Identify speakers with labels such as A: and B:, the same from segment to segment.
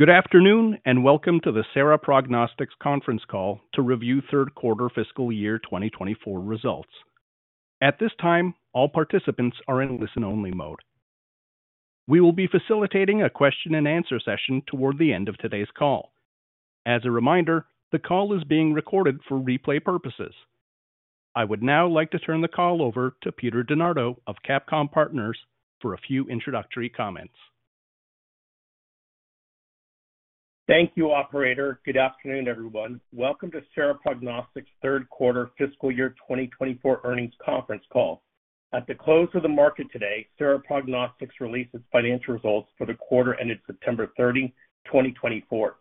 A: Good afternoon and welcome to the Sera Prognostics conference call to review third quarter 2024 results. At this time, all participants are in listen-only mode. We will be facilitating a question-and-answer session toward the end of today's call. As a reminder, the call is being recorded for replay purposes. I would now like to turn the call over to Peter Donato of CapComm Partners for a few introductory comments.
B: Thank you, Operator. Good afternoon, everyone. Welcome to Sera Prognostics third quarter 2024 earnings conference call. At the close of the market today, Sera Prognostics released its financial results for the quarter ended September 30, 2024.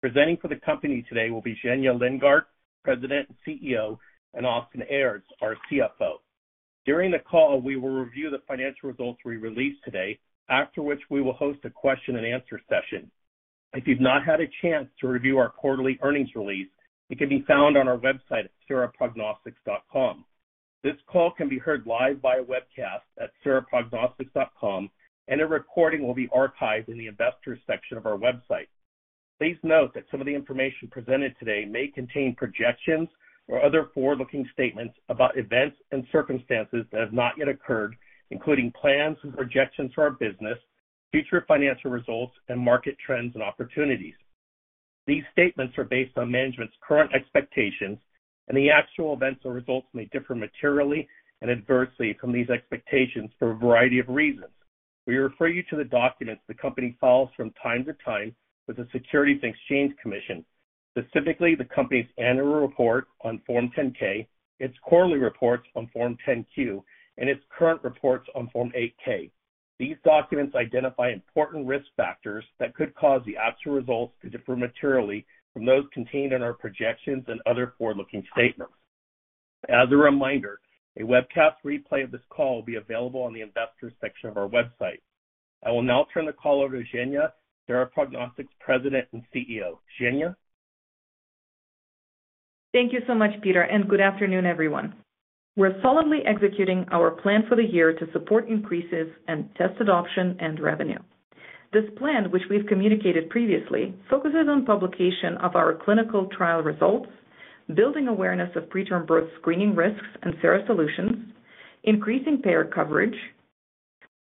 B: Presenting for the company today will be Zhenya Lindgardt, President and CEO, and Austin Aerts, our CFO. During the call, we will review the financial results we released today, after which we will host a question-and-answer session. If you've not had a chance to review our quarterly earnings release, it can be found on our website at seraprognostics.com. This call can be heard live via webcast at seraprognostics.com, and a recording will be archived in the Investors section of our website. Please note that some of the information presented today may contain projections or other forward-looking statements about events and circumstances that have not yet occurred, including plans and projections for our business, future financial results, and market trends and opportunities. These statements are based on management's current expectations, and the actual events or results may differ materially and adversely from these expectations for a variety of reasons. We refer you to the documents the company files from time to time with the Securities and Exchange Commission, specifically the company's annual report on Form 10-K, its quarterly reports on Form 10-Q, and its current reports on Form 8-K. These documents identify important risk factors that could cause the actual results to differ materially from those contained in our projections and other forward-looking statements. As a reminder, a webcast replay of this call will be available on the Investors section of our website. I will now turn the call over to Zhenya, Sera Prognostics President and CEO. Zhenya?
C: Thank you so much, Peter, and good afternoon, everyone. We're solidly executing our plan for the year to support increases in test adoption and revenue. This plan, which we've communicated previously, focuses on publication of our clinical trial results, building awareness of preterm birth screening risks and Sera solutions, increasing payer coverage,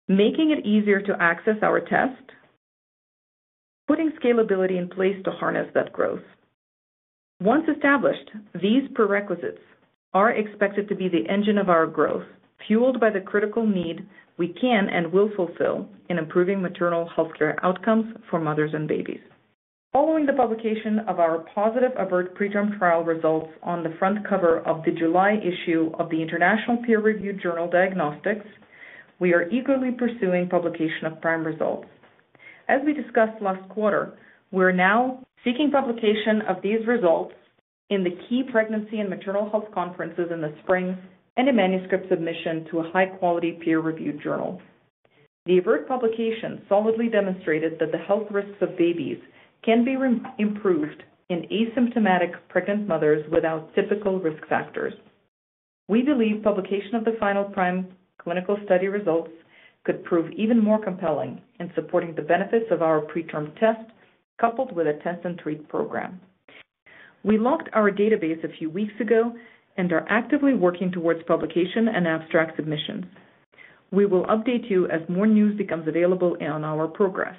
C: making it easier to access our test, and putting scalability in place to harness that growth. Once established, these prerequisites are expected to be the engine of our growth, fueled by the critical need we can and will fulfill in improving maternal healthcare outcomes for mothers and babies. Following the publication of our positive A-BORT preterm trial results on the front cover of the July issue of the international peer-reviewed journal Diagnostics, we are eagerly pursuing publication of PRIME results. As we discussed last quarter, we're now seeking publication of these results in the key pregnancy and maternal health conferences in the spring and a manuscript submission to a high-quality peer-reviewed journal. The A-BORT publication solidly demonstrated that the health risks of babies can be improved in asymptomatic pregnant mothers without typical risk factors. We believe publication of the final PRIME clinical study results could prove even more compelling in supporting the benefits of our preterm test coupled with a test-and-treat program. We locked our database a few weeks ago and are actively working towards publication and abstract submissions. We will update you as more news becomes available on our progress.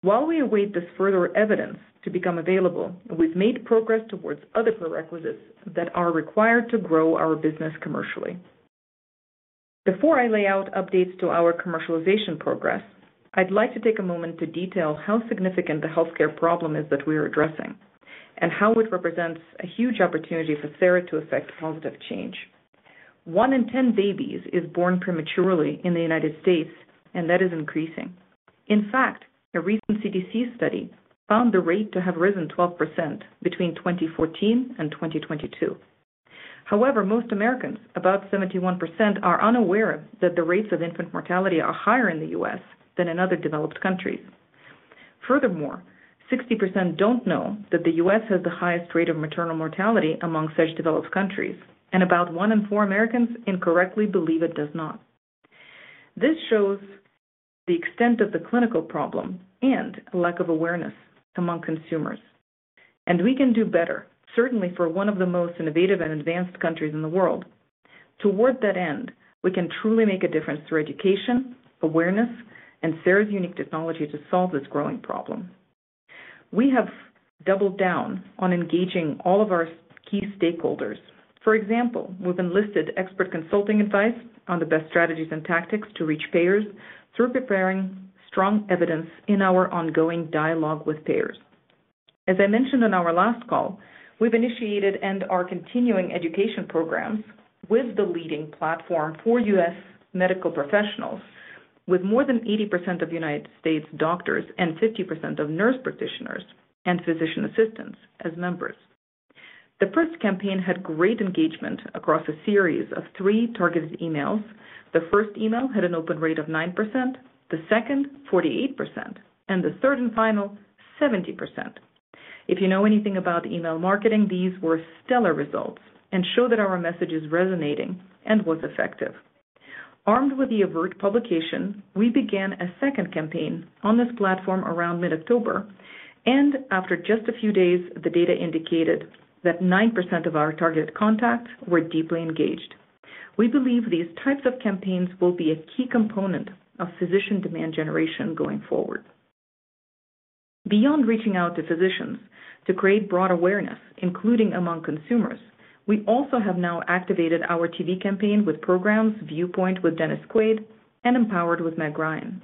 C: While we await this further evidence to become available, we've made progress towards other prerequisites that are required to grow our business commercially. Before I lay out updates to our commercialization progress, I'd like to take a moment to detail how significant the healthcare problem is that we are addressing and how it represents a huge opportunity for Sera to effect positive change. One in ten babies is born prematurely in the United States, and that is increasing. In fact, a recent CDC study found the rate to have risen 12% between 2014 and 2022. However, most Americans, about 71%, are unaware that the rates of infant mortality are higher in the U.S. than in other developed countries. Furthermore, 60% don't know that the U.S. has the highest rate of maternal mortality among such developed countries, and about one in four Americans incorrectly believe it does not. This shows the extent of the clinical problem and lack of awareness among consumers. And we can do better, certainly for one of the most innovative and advanced countries in the world. Toward that end, we can truly make a difference through education, awareness, and Sera's unique technology to solve this growing problem. We have doubled down on engaging all of our key stakeholders. For example, we've enlisted expert consulting advice on the best strategies and tactics to reach payers through preparing strong evidence in our ongoing dialogue with payers. As I mentioned in our last call, we've initiated and are continuing education programs with the leading platform for U.S. medical professionals, with more than 80% of United States doctors and 50% of nurse practitioners and physician assistants as members. The first campaign had great engagement across a series of three targeted emails. The first email had an open rate of 9%, the second 48%, and the third and final 70%. If you know anything about email marketing, these were stellar results and show that our message is resonating and was effective. Armed with the A-BORT publication, we began a second campaign on this platform around mid-October, and after just a few days, the data indicated that 9% of our targeted contacts were deeply engaged. We believe these types of campaigns will be a key component of physician demand generation going forward. Beyond reaching out to physicians to create broad awareness, including among consumers, we also have now activated our TV campaign with programs, Viewpoint with Dennis Quaid, and Empowered with Meg Ryan.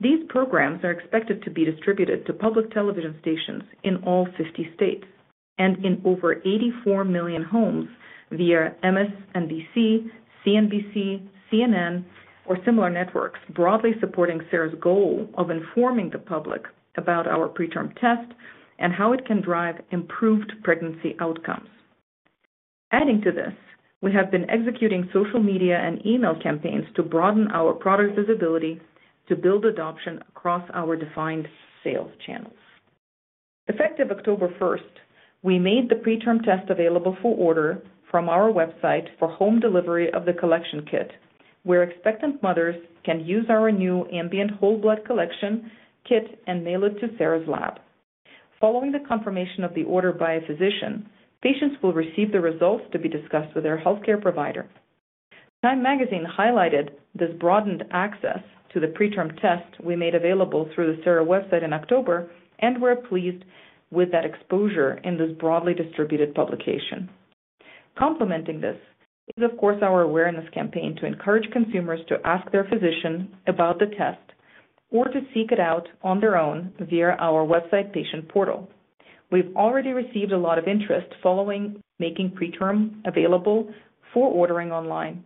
C: These programs are expected to be distributed to public television stations in all 50 states and in over 84 million homes via MSNBC, CNBC, CNN, or similar networks, broadly supporting Sera's goal of informing the public about our preterm test and how it can drive improved pregnancy outcomes. Adding to this, we have been executing social media and email campaigns to broaden our product visibility to build adoption across our defined sales channels. Effective October 1st, we made the preterm test available for order from our website for home delivery of the collection kit, where expectant mothers can use our new Ambient Whole Blood Collection Kit and mail it to Sera's lab. Following the confirmation of the order by a physician, patients will receive the results to be discussed with their healthcare provider. TIME highlighted this broadened access to the preterm test we made available through the Sera website in October, and we're pleased with that exposure in this broadly distributed publication. Complementing this is, of course, our awareness campaign to encourage consumers to ask their physician about the test or to seek it out on their own via our website patient portal. We've already received a lot of interest following making preterm available for ordering online.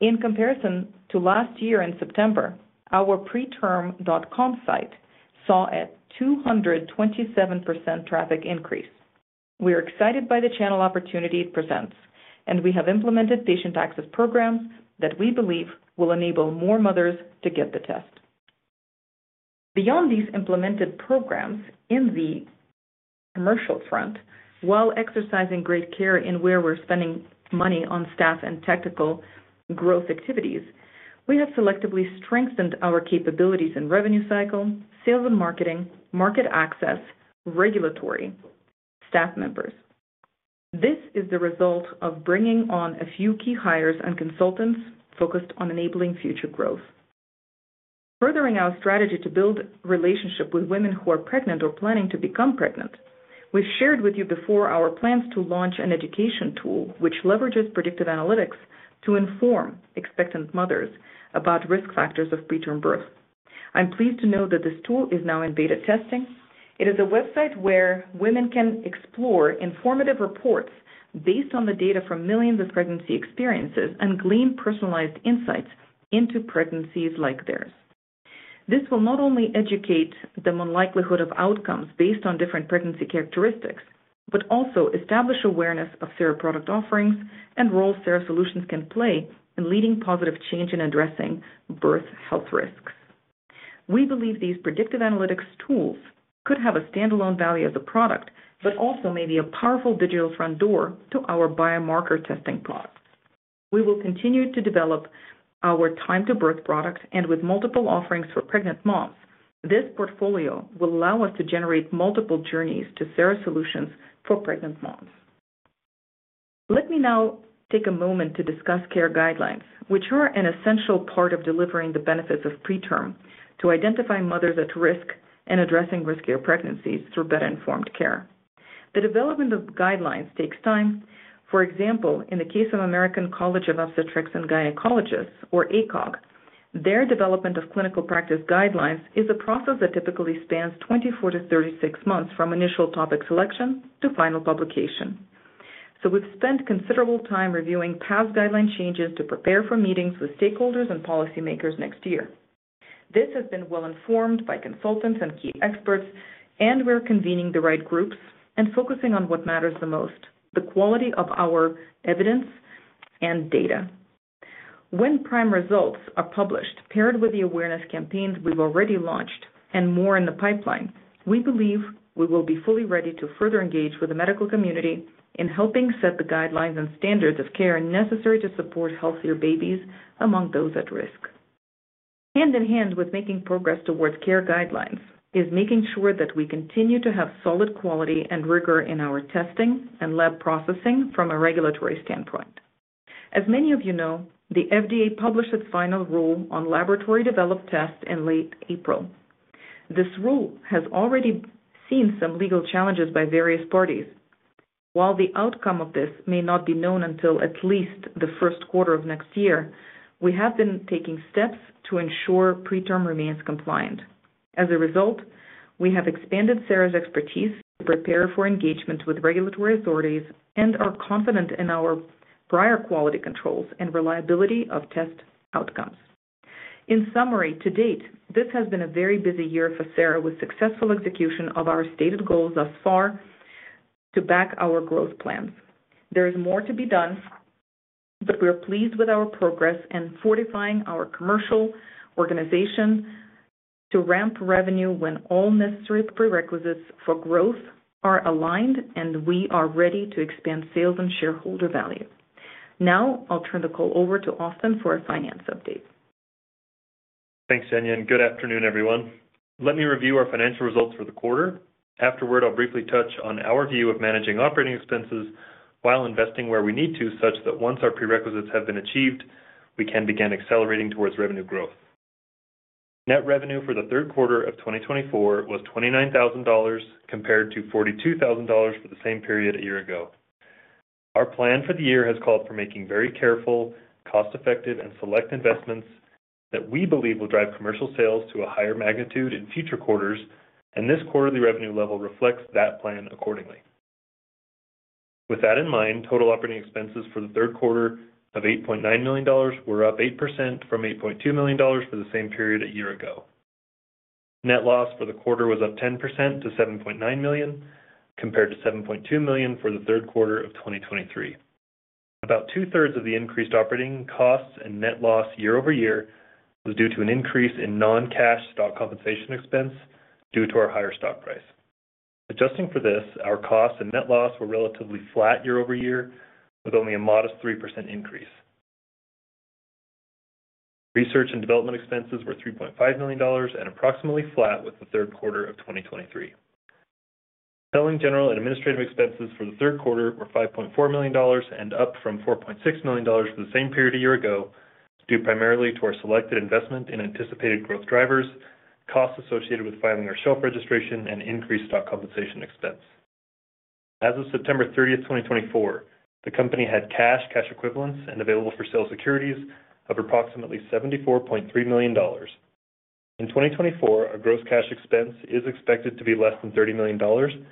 C: In comparison to last year in September, our preTRM.com site saw a 227% traffic increase. We are excited by the channel opportunity it presents, and we have implemented patient access programs that we believe will enable more mothers to get the test. Beyond these implemented programs in the commercial front, while exercising great care in where we're spending money on staff and technical growth activities, we have selectively strengthened our capabilities in revenue cycle, sales and marketing, market access, regulatory, and staff members. This is the result of bringing on a few key hires and consultants focused on enabling future growth. Furthering our strategy to build relationships with women who are pregnant or planning to become pregnant, we've shared with you before our plans to launch an education tool which leverages predictive analytics to inform expectant mothers about risk factors of preterm birth. I'm pleased to know that this tool is now in beta testing. It is a website where women can explore informative reports based on the data from millions of pregnancy experiences and glean personalized insights into pregnancies like theirs. This will not only educate them on the likelihood of outcomes based on different pregnancy characteristics, but also establish awareness of Sera product offerings and the role Sera solutions can play in leading positive change in addressing birth health risks. We believe these predictive analytics tools could have a standalone value as a product, but also may be a powerful digital front door to our biomarker testing products. We will continue to develop our time-to-birth product, and with multiple offerings for pregnant moms, this portfolio will allow us to generate multiple journeys to Sera solutions for pregnant moms. Let me now take a moment to discuss care guidelines, which are an essential part of delivering the benefits of PreTRM to identify mothers at risk in addressing riskier pregnancies through better-informed care. The development of guidelines takes time. For example, in the case of American College of Obstetricians and Gynecologists, or ACOG, their development of clinical practice guidelines is a process that typically spans 24-36 months from initial topic selection to final publication. So we've spent considerable time reviewing past guideline changes to prepare for meetings with stakeholders and policymakers next year. This has been well-informed by consultants and key experts, and we're convening the right groups and focusing on what matters the most: the quality of our evidence and data. When PRIME results are published, paired with the awareness campaigns we've already launched and more in the pipeline, we believe we will be fully ready to further engage with the medical community in helping set the guidelines and standards of care necessary to support healthier babies among those at risk. Hand in hand with making progress towards care guidelines is making sure that we continue to have solid quality and rigor in our testing and lab processing from a regulatory standpoint. As many of you know, the FDA published its final rule on laboratory-developed tests in late April. This rule has already seen some legal challenges by various parties. While the outcome of this may not be known until at least the first quarter of next year, we have been taking steps to ensure preterm remains compliant. As a result, we have expanded Sera's expertise to prepare for engagement with regulatory authorities and are confident in our prior quality controls and reliability of test outcomes. In summary, to date, this has been a very busy year for Sera with successful execution of our stated goals thus far to back our growth plans. There is more to be done, but we're pleased with our progress in fortifying our commercial organization to ramp revenue when all necessary prerequisites for growth are aligned, and we are ready to expand sales and shareholder value. Now, I'll turn the call over to Austin for a finance update.
D: Thanks, Zhenya. And good afternoon, everyone. Let me review our financial results for the quarter. Afterward, I'll briefly touch on our view of managing operating expenses while investing where we need to such that once our prerequisites have been achieved, we can begin accelerating towards revenue growth. Net revenue for the third quarter of 2024 was $29,000 compared to $42,000 for the same period a year ago. Our plan for the year has called for making very careful, cost-effective, and select investments that we believe will drive commercial sales to a higher magnitude in future quarters, and this quarterly revenue level reflects that plan accordingly. With that in mind, total operating expenses for the third quarter of $8.9 million were up 8% from $8.2 million for the same period a year ago. Net loss for the quarter was up 10% to $7.9 million compared to $7.2 million for the third quarter of 2023. About two-thirds of the increased operating costs and net loss year over year was due to an increase in non-cash stock compensation expense due to our higher stock price. Adjusting for this, our costs and net loss were relatively flat year over year with only a modest 3% increase. Research and development expenses were $3.5 million and approximately flat with the third quarter of 2023. Selling, general and administrative expenses for the third quarter were $5.4 million and up from $4.6 million for the same period a year ago due primarily to our selected investment in anticipated growth drivers, costs associated with filing our shelf registration, and increased stock compensation expense. As of September 30th, 2024, the company had cash, cash equivalents, and available-for-sale securities of approximately $74.3 million. In 2024, our gross cash expense is expected to be less than $30 million,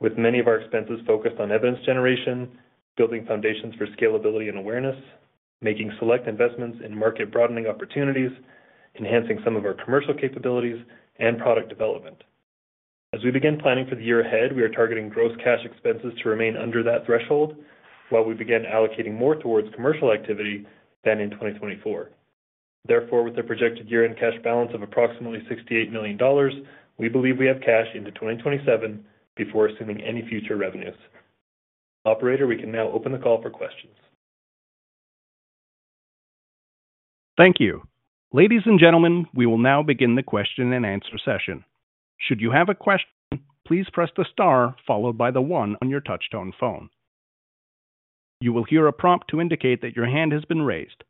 D: with many of our expenses focused on evidence generation, building foundations for scalability and awareness, making select investments in market broadening opportunities, enhancing some of our commercial capabilities, and product development. As we begin planning for the year ahead, we are targeting gross cash expenses to remain under that threshold while we begin allocating more towards commercial activity than in 2024. Therefore, with a projected year-end cash balance of approximately $68 million, we believe we have cash into 2027 before assuming any future revenues. Operator, we can now open the call for questions.
A: Thank you. Ladies and gentlemen, we will now begin the question-and-answer session. Should you have a question, please press the star followed by the one on your touch-tone phone. You will hear a prompt to indicate that your hand has been raised.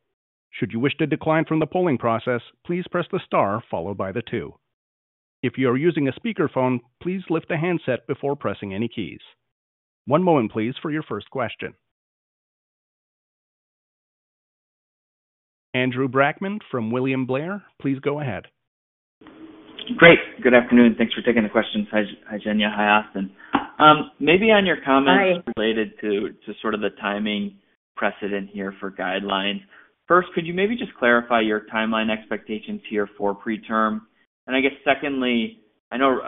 A: Should you wish to decline from the polling process, please press the star followed by the two. If you are using a speakerphone, please lift the handset before pressing any keys. One moment, please, for your first question. Andrew Brackman from William Blair, please go ahead.
E: Great. Good afternoon. Thanks for taking the questions. Hi, Zhenya. Hi, Austin. Maybe on your comments related to sort of the timing precedent here for guidelines. First, could you maybe just clarify your timeline expectations here for preterm? And I guess secondly, I know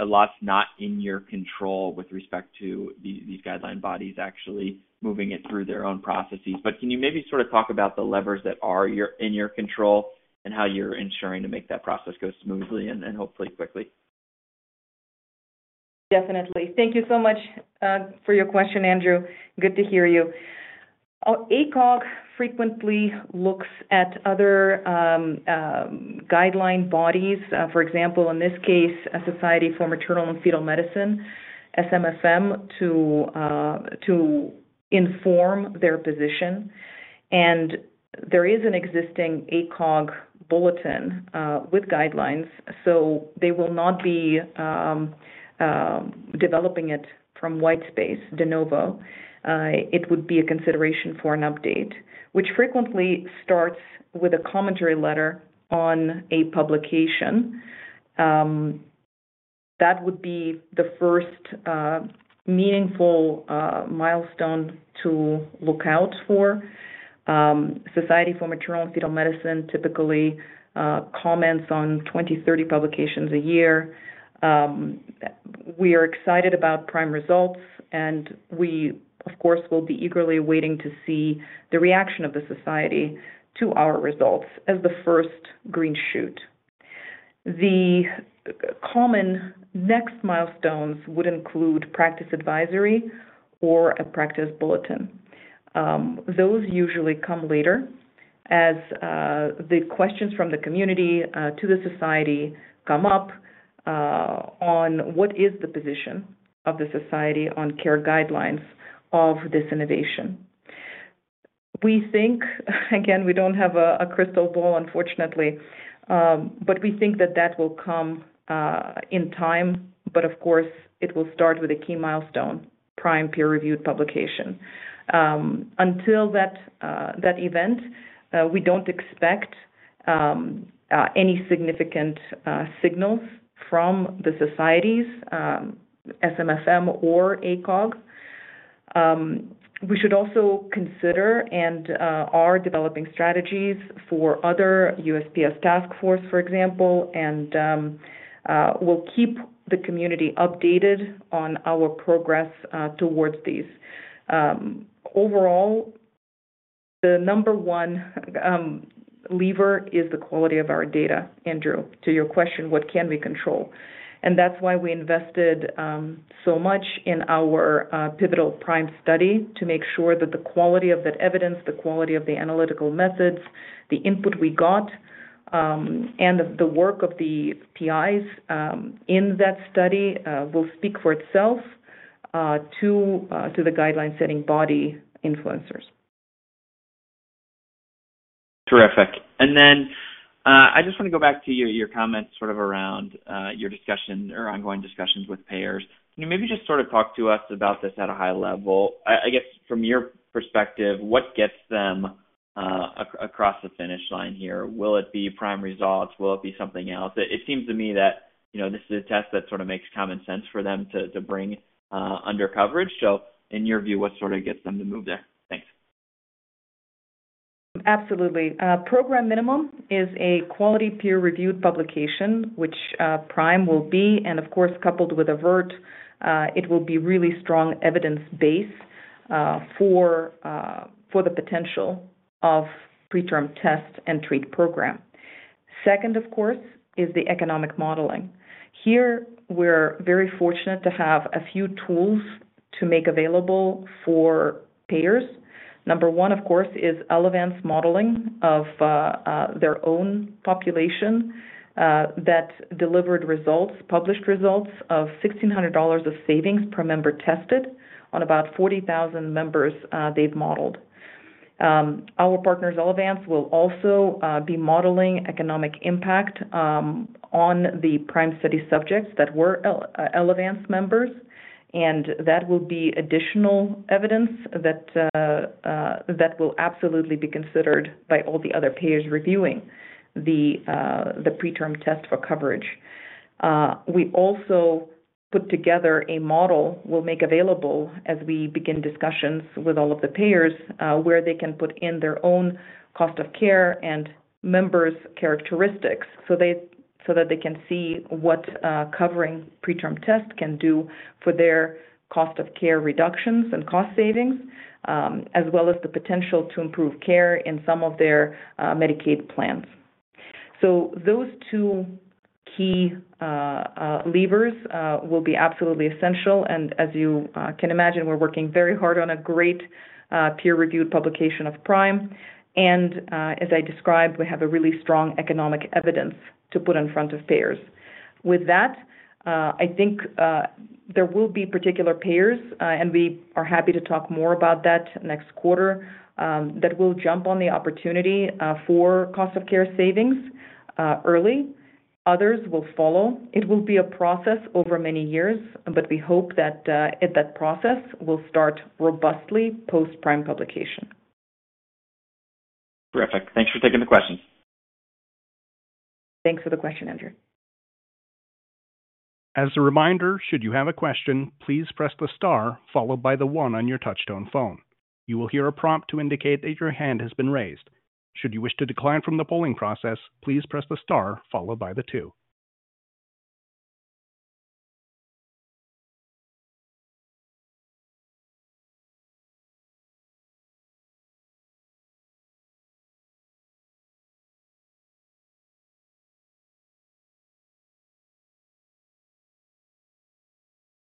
E: a lot's not in your control with respect to these guideline bodies actually moving it through their own processes, but can you maybe sort of talk about the levers that are in your control and how you're ensuring to make that process go smoothly and hopefully quickly?
C: Definitely. Thank you so much for your question, Andrew. Good to hear you. ACOG frequently looks at other guideline bodies, for example, in this case, a Society for Maternal-Fetal Medicine, SMFM, to inform their position. And there is an existing ACOG bulletin with guidelines, so they will not be developing it from white space, de novo. It would be a consideration for an update, which frequently starts with a commentary letter on a publication. That would be the first meaningful milestone to look out for. Society for Maternal-Fetal Medicine typically comments on 20, 30 publications a year. We are excited about PRIME results, and we, of course, will be eagerly waiting to see the reaction of the society to our results as the first green shoot. The common next milestones would include Practice Advisory or a Practice Bulletin. Those usually come later as the questions from the community to the society come up on what is the position of the society on care guidelines of this innovation. We think, again, we don't have a crystal ball, unfortunately, but we think that that will come in time. But of course, it will start with a key milestone, PRIME peer-reviewed publication. Until that event, we don't expect any significant signals from the societies, SMFM or ACOG. We should also consider and are developing strategies for other USPSTF task forces, for example, and we'll keep the community updated on our progress towards these. Overall, the number one lever is the quality of our data, Andrew. To your question, what can we control? That's why we invested so much in our pivotal PRIME study to make sure that the quality of that evidence, the quality of the analytical methods, the input we got, and the work of the PIs in that study will speak for itself to the guideline-setting body influencers.
E: Terrific. And then I just want to go back to your comments sort of around your discussion or ongoing discussions with payers. Can you maybe just sort of talk to us about this at a high level? I guess from your perspective, what gets them across the finish line here? Will it be PRIME results? Will it be something else? It seems to me that this is a test that sort of makes common sense for them to bring under coverage. So in your view, what sort of gets them to move there? Thanks.
C: Absolutely. Program minimum is a quality peer-reviewed publication, which PRIME will be, and of course, coupled with an A-BORT, it will be really strong evidence base for the potential of preterm test and treat program. Second, of course, is the economic modeling. Here, we're very fortunate to have a few tools to make available for payers. Number one, of course, is Elevance modeling of their own population that delivered results, published results of $1,600 of savings per member tested on about 40,000 members they've modeled. Our partners, Elevance, will also be modeling economic impact on the PRIME study subjects that were Elevance members, and that will be additional evidence that will absolutely be considered by all the other payers reviewing the preterm test for coverage. We also put together a model we'll make available as we begin discussions with all of the payers where they can put in their own cost of care and members' characteristics so that they can see what covering preterm test can do for their cost of care reductions and cost savings, as well as the potential to improve care in some of their Medicaid plans. So those two key levers will be absolutely essential. And as you can imagine, we're working very hard on a great peer-reviewed publication of PRIME. And as I described, we have a really strong economic evidence to put in front of payers. With that, I think there will be particular payers, and we are happy to talk more about that next quarter, that will jump on the opportunity for cost of care savings early. Others will follow. It will be a process over many years, but we hope that process will start robustly post PRIME publication.
E: Terrific. Thanks for taking the questions.
C: Thanks for the question, Andrew.
A: As a reminder, should you have a question, please press the star followed by the one on your touch-tone phone. You will hear a prompt to indicate that your hand has been raised. Should you wish to decline from the polling process, please press the star followed by the two.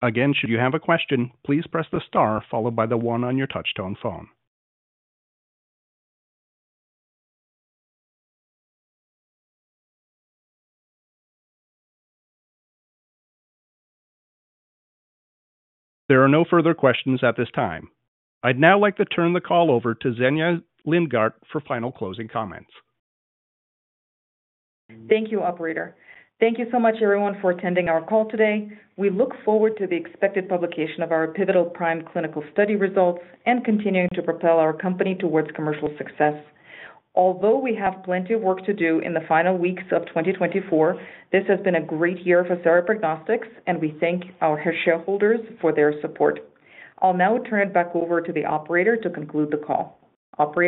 A: Again, should you have a question, please press the star followed by the one on your touch-tone phone. There are no further questions at this time. I'd now like to turn the call over to Zhenya Lindgardt for final closing comments.
C: Thank you, Operator. Thank you so much, everyone, for attending our call today. We look forward to the expected publication of our pivotal prime clinical study results and continuing to propel our company towards commercial success. Although we have plenty of work to do in the final weeks of 2024, this has been a great year for Sera Prognostics, and we thank our shareholders for their support. I'll now turn it back over to the operator to conclude the call. Operator.